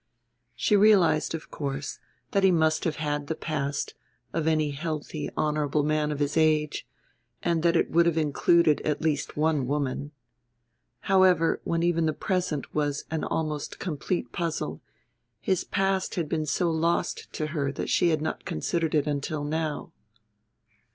She realized, of course, that he must have had the past of any healthy honorable man of his age, and that it would have included at least one woman. However, when even the present was an almost complete puzzle his past had been so lost to her that she had not considered it until now.